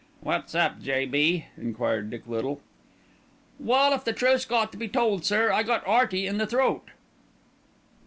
"What's up, J.B.?" enquired Dick Little. "Well, if the truth's got to be told, sir, I got 'Earty in the throat."